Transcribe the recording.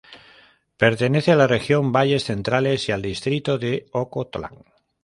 Pertenece a la Región Valles Centrales y al Distrito de Ocotlán.